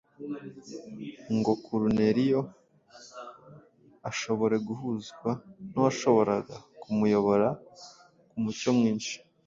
ngo Koruneliyo ashobore guhuzwa n’uwashoboraga kumuyobora ku mucyo mwinshi.